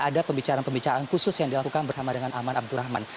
jadi ini adalah pengelakangan yang terjadi oleh saiful muntohir